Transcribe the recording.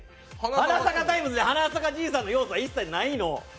「花咲かタイムズ」に花咲かじいさんの要素は一切ないの！